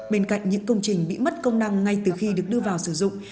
bên cạnh những công trình bị mất công năng ngay từ khi được đưa vào sử dụng